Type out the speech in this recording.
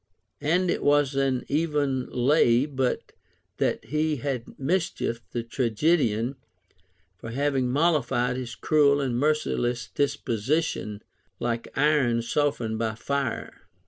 And it was an even lav but that he had mischiefed the trae^edian for having mollified his cruel and merciless disposition, like iron softened by fire.